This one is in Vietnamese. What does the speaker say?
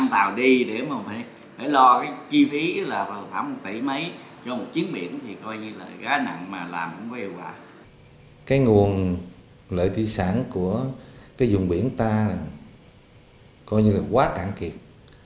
thứ ba là cái nguồn lợi thị sản của cái dùng biển ta là coi như là quá cạn thiệt